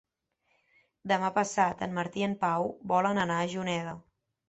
Demà passat en Martí i en Pau volen anar a Juneda.